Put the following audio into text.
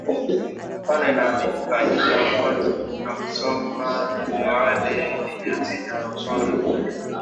Mfano inaaminika Wajita wa kwanza kufika Musoma ni wale wenye asili ya Rusori